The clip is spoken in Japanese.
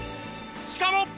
しかも。